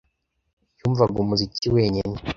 Yumvaga umuziki wenyine.